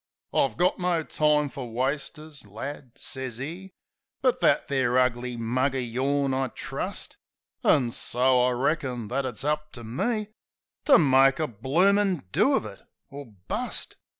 "I got no time fer wasters, lad," sez 'e, "But that there ugly mug o' yourn I trust." An' so I reckon that it's up to me To make a bloomin' do of it or bust.